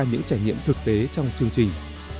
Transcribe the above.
những trải nghiệm thực tế trong chương trình